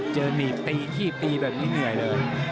เจอหนีดจบตีอย่างนี้เหนื่อยเลย